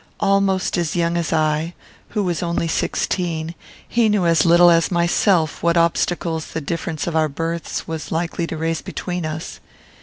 Almost as young as I, who was only sixteen; he knew as little as myself what obstacles the difference of our births was likely to raise between us.